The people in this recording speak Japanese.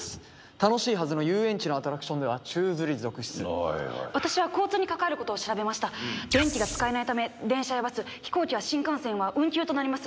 楽しいはずの遊園地のアトラクションでは宙づり続出電気が使えないため電車やバス飛行機や新幹線は運休となります